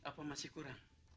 apa masih kurang